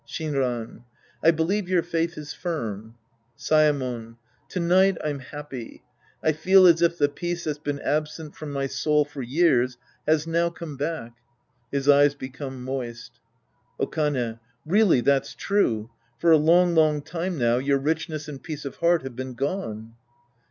Shinran. I believe your faith is firm. Saemon. To night I'm happy. I feel as if the * peace that's been absent from my soul for years has now come back. {His eyes become moist.') Okane. Really that's true. For a long, long time now your richness and peace of heart have been gone.